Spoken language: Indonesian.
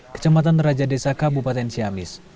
kecamatan raja desa kabupaten ciamis